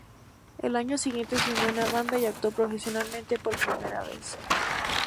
Al año siguiente se unió a una banda y actuó profesionalmente por primera vez.